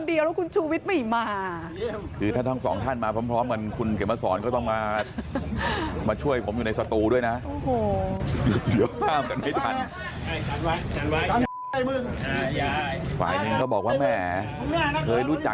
ดีนะว่าเท่านั้นคุณสันทนามาคนเดียวแล้วคุณชูวิทย์ไม่มา